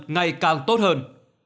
ngày càng tốt hơn